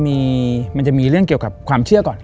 มันจะมีเรื่องเกี่ยวกับความเชื่อก่อน